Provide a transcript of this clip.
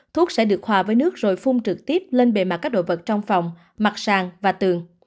thuốc sẽ được hòa với nước rồi phun trực tiếp lên bề mặt các đồ vật trong phòng mặt sàng và tường